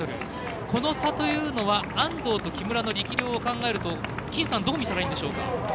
この差というのは安藤と木村の力量を考えると金さん、どう見たらいいんでしょうか？